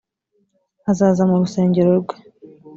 azaza mu rusengero rwe